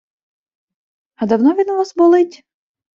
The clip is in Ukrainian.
А давно він у вас болить?